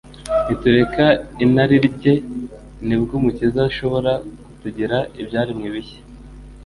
Nitureka inarinjye nibwo Umukiza azashobora kutugira ibyaremwe bishya.